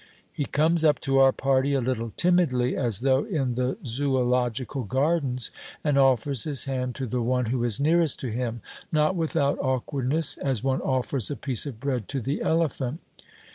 He comes up to our party a little timidly, as though in the Zoological Gardens, and offers his hand to the one who is nearest to him not without awkwardness, as one offers a piece of bread to the elephant.